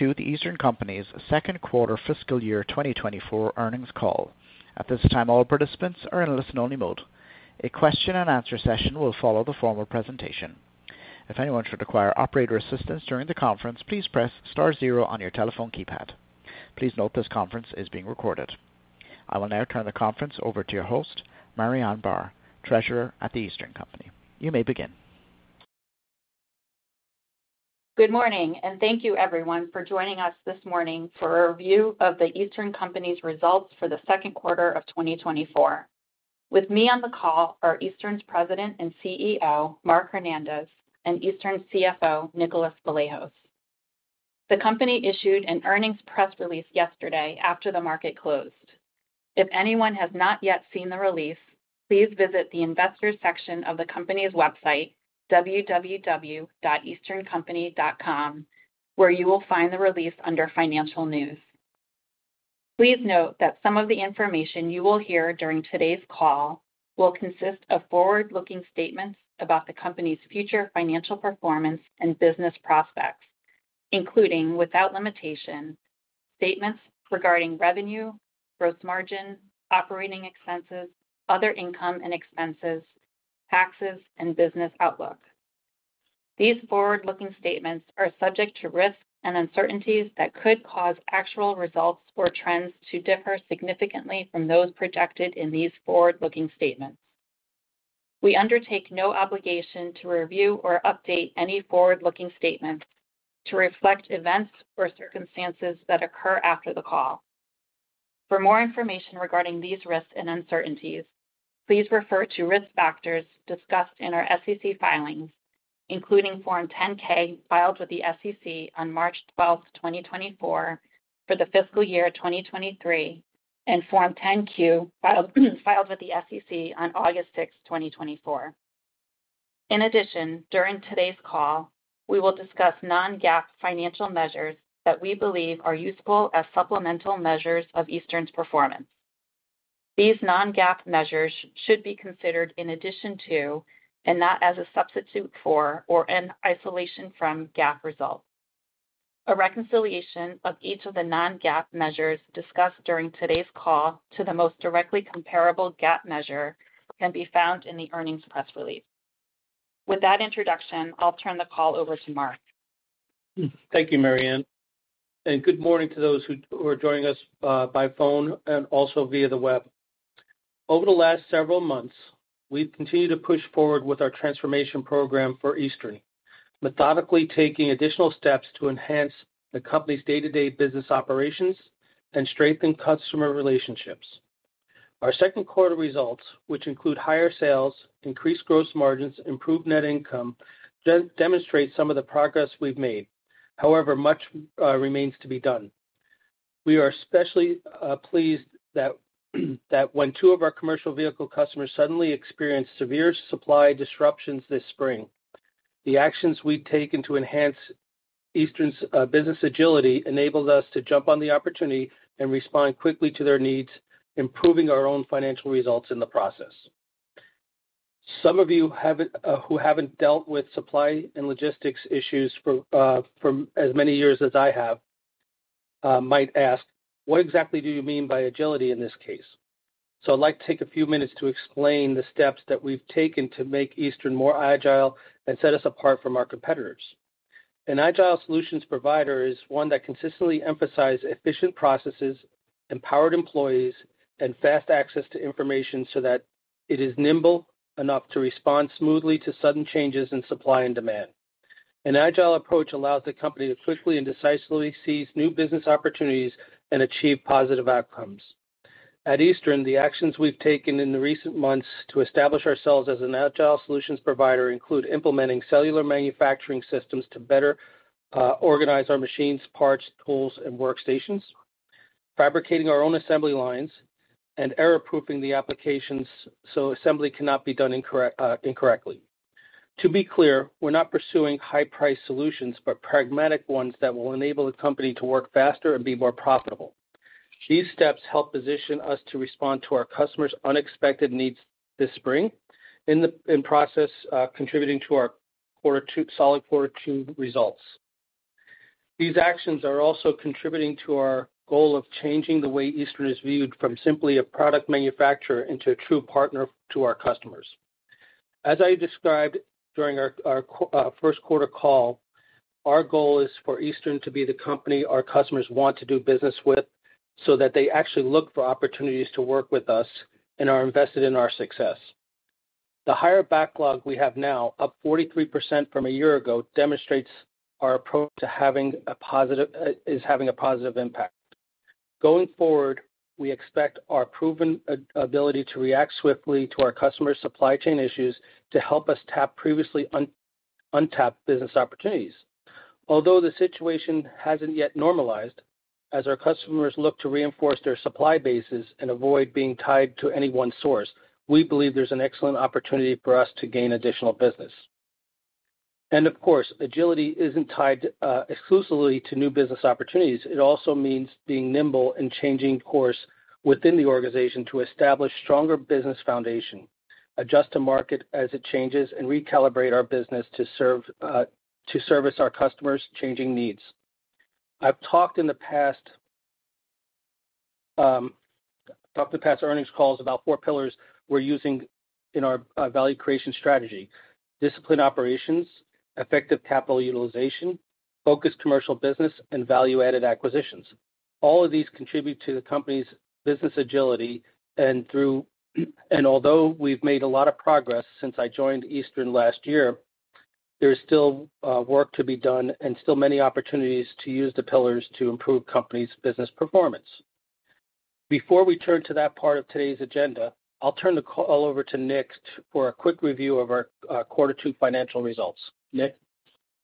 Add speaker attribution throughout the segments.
Speaker 1: Welcome to The Eastern Company's second quarter fiscal year 2024 earnings call. At this time, all participants are in listen-only mode. A question and answer session will follow the formal presentation. If anyone should require operator assistance during the conference, please press star zero on your telephone keypad. Please note, this conference is being recorded. I will now turn the conference over to your host, Marianne Barr, Treasurer at The Eastern Company. You may begin.
Speaker 2: Good morning, and thank you everyone for joining us this morning for a review of The Eastern Company's results for the second quarter of 2024. With me on the call are Eastern's President and CEO, Mark Hernandez, and Eastern's CFO, Nicholas Vlahos. The company issued an earnings press release yesterday after the market closed. If anyone has not yet seen the release, please visit the investors section of the company's website, www.easterncompany.com, where you will find the release under financial news. Please note that some of the information you will hear during today's call will consist of forward-looking statements about the company's future financial performance and business prospects, including, without limitation, statements regarding revenue, gross margin, operating expenses, other income and expenses, taxes, and business outlook. These forward-looking statements are subject to risks and uncertainties that could cause actual results or trends to differ significantly from those projected in these forward-looking statements. We undertake no obligation to review or update any forward-looking statements to reflect events or circumstances that occur after the call. For more information regarding these risks and uncertainties, please refer to risk factors discussed in our SEC filings, including Form 10-K, filed with the SEC on March 12, 2024, for the fiscal year 2023, and Form 10-Q, filed with the SEC on August 6, 2024. In addition, during today's call, we will discuss non-GAAP financial measures that we believe are useful as supplemental measures of Eastern's performance. These non-GAAP measures should be considered in addition to, and not as a substitute for, or in isolation from GAAP results. A reconciliation of each of the non-GAAP measures discussed during today's call to the most directly comparable GAAP measure can be found in the earnings press release. With that introduction, I'll turn the call over to Mark.
Speaker 3: Thank you, Marianne, and good morning to those who are joining us by phone and also via the web. Over the last several months, we've continued to push forward with our transformation program for Eastern, methodically taking additional steps to enhance the company's day-to-day business operations and strengthen customer relationships. Our second quarter results, which include higher sales, increased gross margins, improved net income, demonstrate some of the progress we've made. However, much remains to be done. We are especially pleased that when two of our commercial vehicle customers suddenly experienced severe supply disruptions this spring, the actions we've taken to enhance Eastern's business agility enabled us to jump on the opportunity and respond quickly to their needs, improving our own financial results in the process. Some of you haven't who haven't dealt with supply and logistics issues for, for as many years as I have might ask, "What exactly do you mean by agility in this case?" So I'd like to take a few minutes to explain the steps that we've taken to make Eastern more agile and set us apart from our competitors. An agile solutions provider is one that consistently emphasize efficient processes, empowered employees, and fast access to information so that it is nimble enough to respond smoothly to sudden changes in supply and demand. An agile approach allows the company to quickly and decisively seize new business opportunities and achieve positive outcomes. At Eastern, the actions we've taken in the recent months to establish ourselves as an agile solutions provider include implementing cellular manufacturing systems to better organize our machines, parts, tools, and workstations, fabricating our own assembly lines, and error-proofing the applications so assembly cannot be done incorrect, incorrectly. To be clear, we're not pursuing high-price solutions, but pragmatic ones that will enable the company to work faster and be more profitable. These steps help position us to respond to our customers' unexpected needs this spring, in the process, contributing to our quarter two, solid quarter two results. These actions are also contributing to our goal of changing the way Eastern is viewed from simply a product manufacturer into a true partner to our customers. As I described during our first quarter call, our goal is for Eastern to be the company our customers want to do business with, so that they actually look for opportunities to work with us and are invested in our success. The higher backlog we have now, up 43% from a year ago, demonstrates our approach to having a positive impact. Going forward, we expect our proven ability to react swiftly to our customers' supply chain issues to help us tap previously untapped business opportunities. Although the situation hasn't yet normalized, as our customers look to reinforce their supply bases and avoid being tied to any one source, we believe there's an excellent opportunity for us to gain additional business. And of course, agility isn't tied exclusively to new business opportunities. It also means being nimble and changing course within the organization to establish stronger business foundation, adjust to market as it changes, and recalibrate our business to serve, to service our customers' changing needs. I've talked on past earnings calls about four pillars we're using in our value creation strategy: disciplined operations, effective capital utilization, focused commercial business, and value-added acquisitions. All of these contribute to the company's business agility, and although we've made a lot of progress since I joined Eastern last year, there is still work to be done and still many opportunities to use the pillars to improve company's business performance. Before we turn to that part of today's agenda, I'll turn the call over to Nick for a quick review of our Quarter Two financial results. Nick?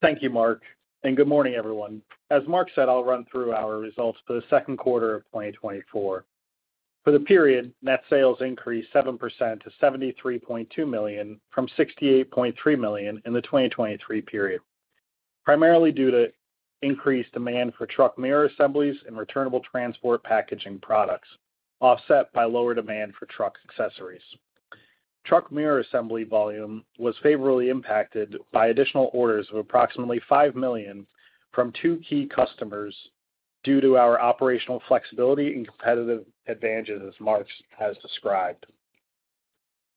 Speaker 4: Thank you, Mark, and good morning, everyone. As Mark said, I'll run through our results for the second quarter of 2024. For the period, net sales increased 7%-$73.2 million from $68.3 million in the 2023 period, primarily due to increased demand for truck mirror assemblies and returnable transport packaging products, offset by lower demand for truck accessories. Truck mirror assembly volume was favorably impacted by additional orders of approximately $5 million from two key customers due to our operational flexibility and competitive advantages, as Mark has described.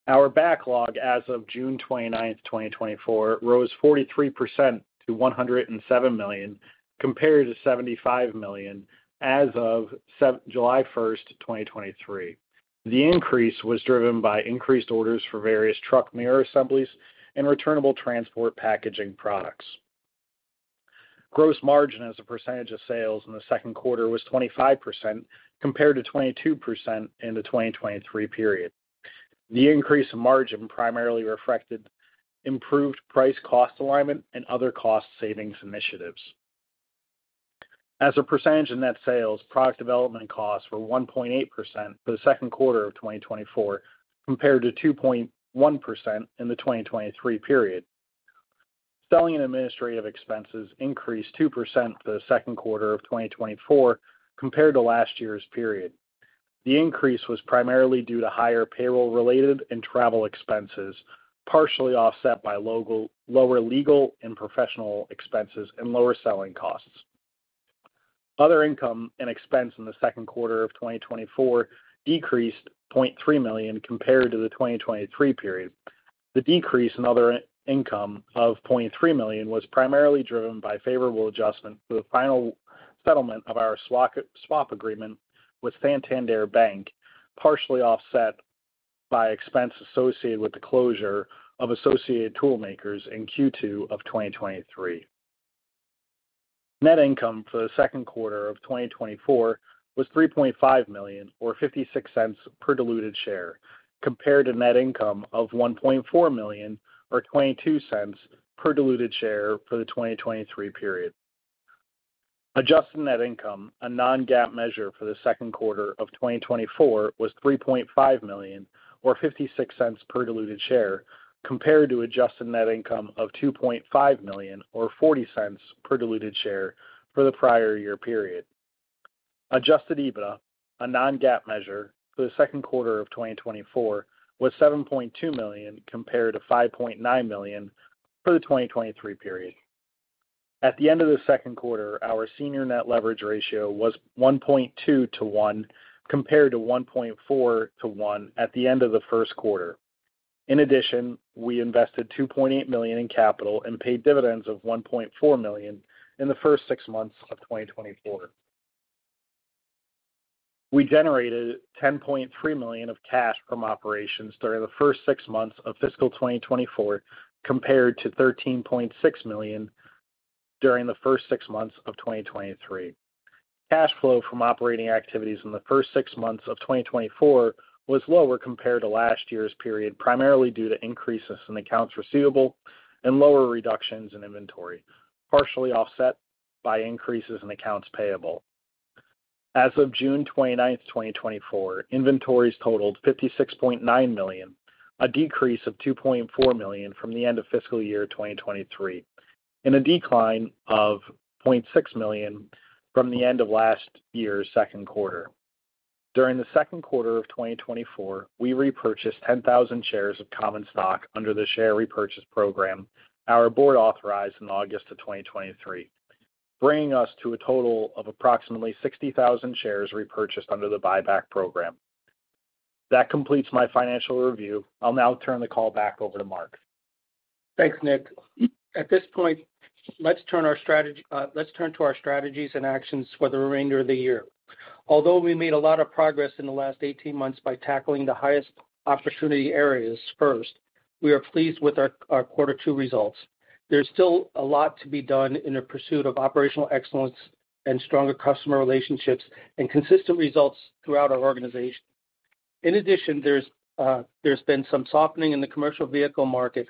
Speaker 4: Our backlog as of June 29, 2024, rose 43%-$107 million, compared to $75 million as of July 1, 2023. The increase was driven by increased orders for various truck mirror assemblies and returnable transport packaging products. Gross margin as a percentage of sales in the second quarter was 25%, compared to 22% in the 2023 period. The increase in margin primarily reflected improved price-cost alignment and other cost savings initiatives. As a percentage in net sales, product development costs were 1.8% for the second quarter of 2024, compared to 2.1% in the 2023 period. Selling and administrative expenses increased 2% for the second quarter of 2024 compared to last year's period. The increase was primarily due to higher payroll-related and travel expenses, partially offset by lower legal and professional expenses and lower selling costs. Other income and expense in the second quarter of 2024 decreased $0.3 million compared to the 2023 period. The decrease in other income of $0.3 million was primarily driven by favorable adjustment to the final settlement of our swap, swap agreement with Santander Bank, partially offset by expense associated with the closure of Associated Toolmakers in Q2 of 2023. Net income for the second quarter of 2024 was $3.5 million, or $0.56 per diluted share, compared to net income of $1.4 million, or $0.22 per diluted share for the 2023 period. Adjusted net income, a non-GAAP measure for the second quarter of 2024, was $3.5 million, or $0.56 per diluted share, compared to adjusted net income of $2.5 million, or $0.40 per diluted share for the prior year period. Adjusted EBITDA, a non-GAAP measure for the second quarter of 2024, was $7.2 million, compared to $5.9 million for the 2023 period. At the end of the second quarter, our senior net leverage ratio was 1.2 to 1, compared to 1.4 to 1 at the end of the first quarter. In addition, we invested $2.8 million in capital and paid dividends of $1.4 million in the first 6 months of 2024. We generated $10.3 million of cash from operations during the first 6 months of fiscal 2024, compared to $13.6 million during the first 6 months of 2023. Cash flow from operating activities in the first 6 months of 2024 was lower compared to last year's period, primarily due to increases in accounts receivable and lower reductions in inventory, partially offset by increases in accounts payable. As of June 29, 2024, inventories totaled $56.9 million, a decrease of $2.4 million from the end of fiscal year 2023, and a decline of $0.6 million from the end of last year's second quarter. During the second quarter of 2024, we repurchased 10,000 shares of common stock under the share repurchase program our board authorized in August 2023, bringing us to a total of approximately 60,000 shares repurchased under the buyback program. That completes my financial review. I'll now turn the call back over to Mark.
Speaker 3: Thanks, Nick. At this point, let's turn to our strategies and actions for the remainder of the year. Although we made a lot of progress in the last 18 months by tackling the highest opportunity areas first, we are pleased with our Quarter Two results. There's still a lot to be done in the pursuit of operational excellence and stronger customer relationships and consistent results throughout our organization. In addition, there's been some softening in the commercial vehicle market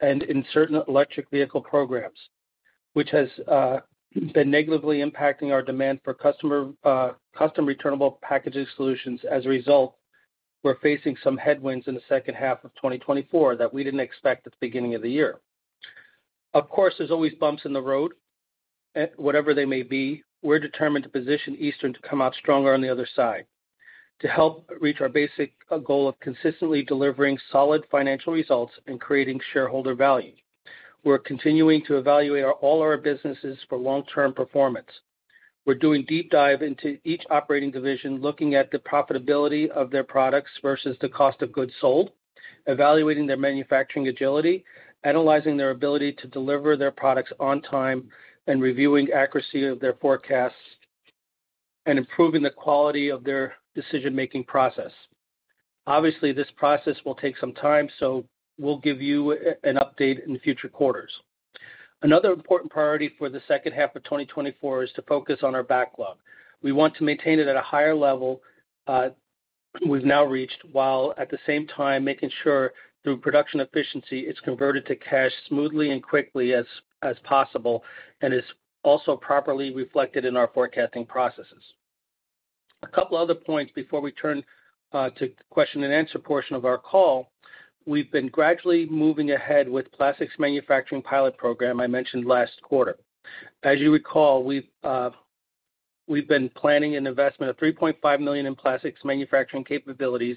Speaker 3: and in certain electric vehicle programs, which has been negatively impacting our demand for customer custom returnable packaging solutions. As a result, we're facing some headwinds in the second half of 2024 that we didn't expect at the beginning of the year. Of course, there's always bumps in the road, whatever they may be. We're determined to position Eastern to come out stronger on the other side, to help reach our basic goal of consistently delivering solid financial results and creating shareholder value. We're continuing to evaluate all our businesses for long-term performance. We're doing deep dive into each operating division, looking at the profitability of their products versus the cost of goods sold, evaluating their manufacturing agility, analyzing their ability to deliver their products on time, and reviewing accuracy of their forecasts, and improving the quality of their decision-making process. Obviously, this process will take some time, so we'll give you an update in future quarters. Another important priority for the second half of 2024 is to focus on our backlog. We want to maintain it at a higher level, we've now reached, while at the same time making sure, through production efficiency, it's converted to cash smoothly and quickly as possible, and is also properly reflected in our forecasting processes. A couple other points before we turn to question and answer portion of our call. We've been gradually moving ahead with Plastics manufacturing Pilot Program I mentioned last quarter. As you recall, we've been planning an investment of $3.5 million in plastics manufacturing capabilities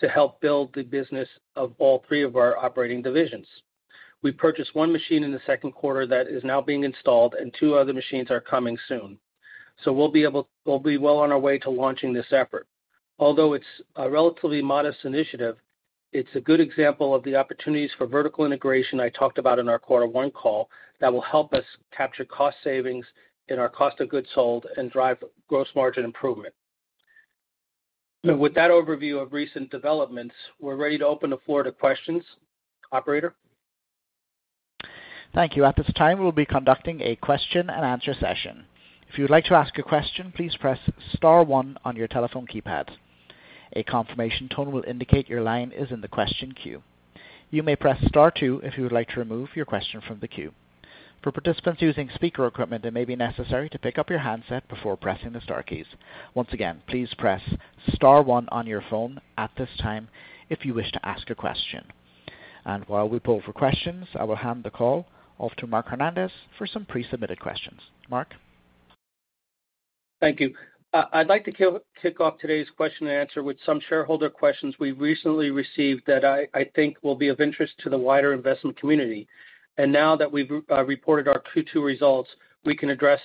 Speaker 3: to help build the business of all 3 of our operating divisions. We purchased one machine in the second quarter that is now being installed, and two other machines are coming soon, so we'll be well on our way to launching this effort. Although it's a relatively modest initiative, it's a good example of the opportunities for vertical integration I talked about in our quarter one call, that will help us capture cost savings in our cost of goods sold and drive gross margin improvement. So with that overview of recent developments, we're ready to open the floor to questions. Operator?
Speaker 1: Thank you. At this time, we'll be conducting a question and answer session. If you'd like to ask a question, please press star one on your telephone keypad. A confirmation tone will indicate your line is in the question queue. You may press star two if you would like to remove your question from the queue. For participants using speaker equipment, it may be necessary to pick up your handset before pressing the star keys. Once again, please press star one on your phone at this time if you wish to ask a question. While we poll for questions, I will hand the call off to Mark Hernandez for some pre-submitted questions. Mark?
Speaker 3: Thank you. I'd like to kick off today's question and answer with some shareholder questions we recently received that I think will be of interest to the wider investment community. And now that we've reported our Q2 results, we can address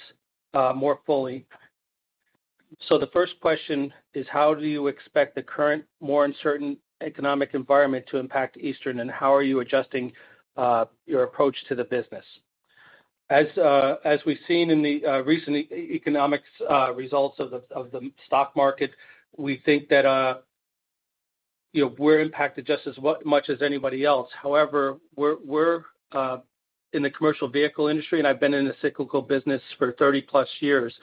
Speaker 3: more fully. So the first question is: How do you expect the current, more uncertain economic environment to impact Eastern, and how are you adjusting your approach to the business? As we've seen in the recent economics results of the stock market, we think that, you know, we're impacted just as much as anybody else. However, we're in the commercial vehicle industry, and I've been in the cyclical business for 30+ years,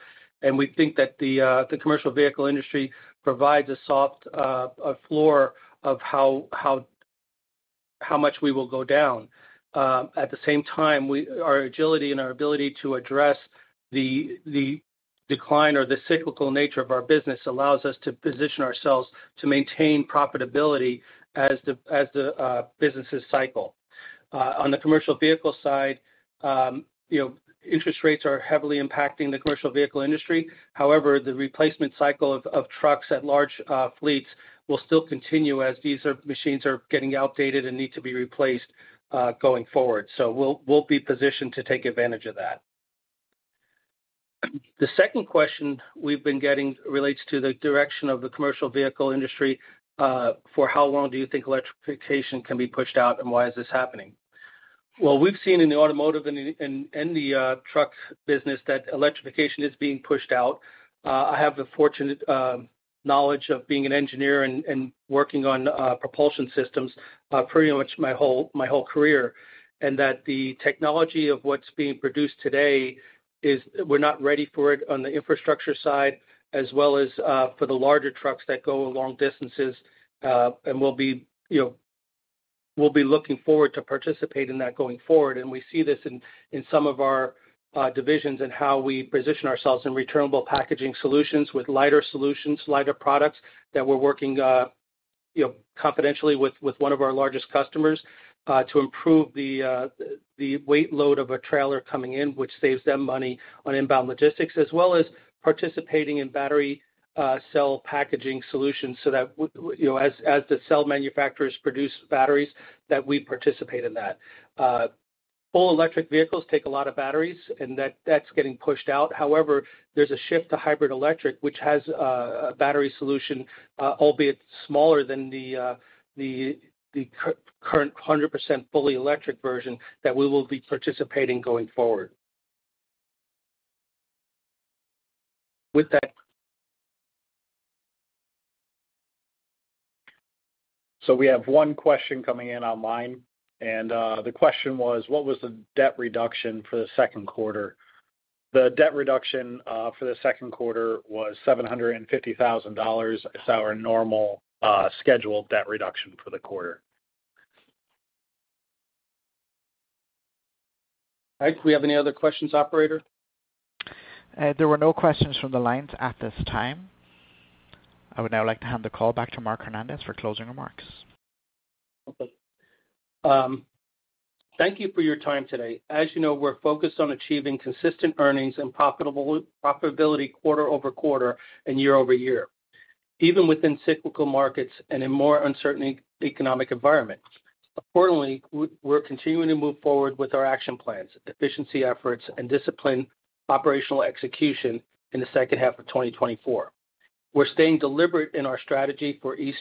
Speaker 3: and we think that the commercial vehicle industry provides a soft floor of how much we will go down. At the same time, we, our agility and our ability to address the decline or the cyclical nature of our business allows us to position ourselves to maintain profitability as the businesses cycle. On the commercial vehicle side, you know, interest rates are heavily impacting the commercial vehicle industry. However, the replacement cycle of trucks at large fleets will still continue as these machines are getting outdated and need to be replaced going forward. So we'll be positioned to take advantage of that. The second question we've been getting relates to the direction of the commercial vehicle industry. For how long do you think electrification can be pushed out, and why is this happening? Well, we've seen in the automotive and the truck business that electrification is being pushed out. I have the fortunate knowledge of being an engineer and working on propulsion systems pretty much my whole career, and that the technology of what's being produced today is, we're not ready for it on the infrastructure side, as well as for the larger trucks that go long distances. And we'll be, you know, we'll be looking forward to participate in that going forward, and we see this in, in some of our, divisions and how we position ourselves in returnable packaging solutions with lighter solutions, lighter products, that we're working, you know, confidentially with, with one of our largest customers, to improve the, the weight load of a trailer coming in, which saves them money on inbound logistics, as well as participating in battery cell packaging solutions so that, you know, as, as the cell manufacturers produce batteries, that we participate in that. All electric vehicles take a lot of batteries, and that's getting pushed out. However, there's a shift to hybrid electric, which has, a battery solution, albeit smaller than the, the, the current hundred percent fully electric version that we will be participating going forward. With that.
Speaker 4: So we have one question coming in online, and, the question was: What was the debt reduction for the second quarter? The debt reduction, for the second quarter was $750,000. It's our normal, scheduled debt reduction for the quarter.
Speaker 3: All right, do we have any other questions, operator?
Speaker 1: There were no questions from the lines at this time. I would now like to hand the call back to Mark Hernandez for closing remarks.
Speaker 3: Okay. Thank you for your time today. As you know, we're focused on achieving consistent earnings and profitability quarter over quarter and year-over-year, even within cyclical markets and in more uncertain economic environments. Accordingly, we're continuing to move forward with our action plans, efficiency efforts, and discipline operational execution in the second half of 2024. We're staying deliberate in our strategy for Eastern-